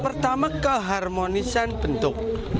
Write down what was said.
pertama keharmonisan bentuk